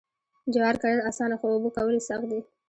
جوار کرل اسانه خو اوبه کول یې سخت دي.